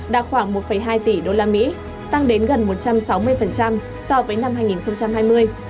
đạt khoảng một hai tỷ usd tăng đến gần một trăm sáu mươi so với năm hai nghìn hai mươi